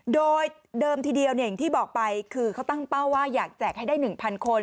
โดยเดิมทีเดียวอย่างที่บอกไปคือเขาตั้งเป้าว่าอยากแจกให้ได้๑๐๐คน